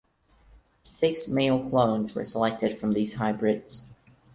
Six male clones were selected from these hybrids.